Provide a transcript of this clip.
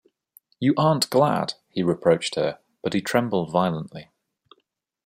“You aren’t glad!” he reproached her; but he trembled violently.